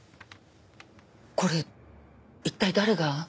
これ一体誰が？